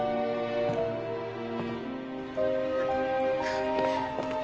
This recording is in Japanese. あっ。